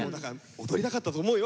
踊りたかったと思うよ